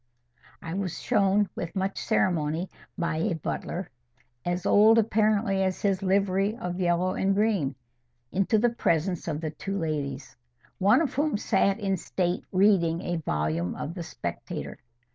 I was shown with much ceremony by a butler, as old apparently as his livery of yellow and green, into the presence of the two ladies, one of whom sat in state reading a volume of the Spectator.